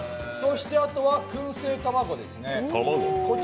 そしてあとはくんせい卵ですね。